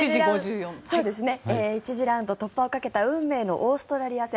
１次ラウンド突破をかけた運命のオーストラリア戦。